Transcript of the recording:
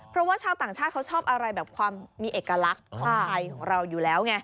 เพราะว่าชาวต่างชาติเขาชอบอะไรแบบความมีเอกลักษณ์ของไทยของเราอยู่แล้วไง